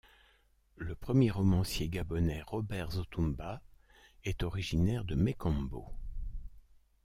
Le premier romancier gabonais, Robert Zotoumbat, est originaire de Mékambo.